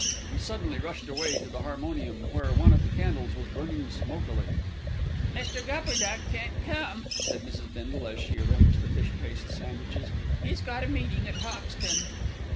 He suddenly rushed away to the harmonium, where one of the candles was burning smokily. "Mr. Gupperduck can't come," said Mrs. Bindle as she rearranged the fish paste sandwiches. "He's got a meeting at Hoxton."